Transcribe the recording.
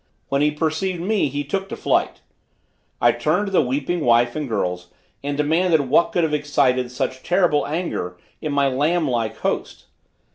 When he perceived me he took to flight. I turned to the weeping wife and girls and demanded what could have excited such terrible anger in my lamb like host.